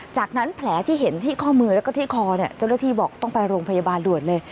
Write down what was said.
จากนั้นแผลที่เห็นที่ข้อมือแล้วก็ที่คอเจ้าหน้าที่บอกต้องไปโรงพยาบาลด่วนเลย